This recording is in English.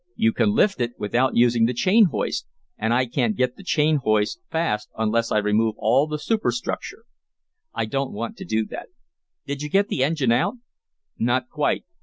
You can lift it without using the chain hoist, and I can't get the chain hoist fast unless I remove all the superstructure. I don't want to do that. Did you get the engine out?" "Not quite.